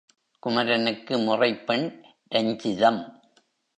குமரனுக்கு முறைப்பெண் ரஞ்சிதம்.